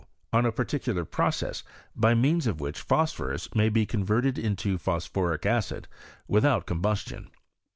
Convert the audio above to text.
On a particular Process, by means of which Phosphorus may be converted into phosphoric Acid, without Ck>mbustion.